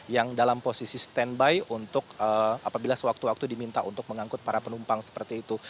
yang dalam posisi standby untuk apabila sewaktu waktu diminta untuk mengangkut para penumpang seperti itu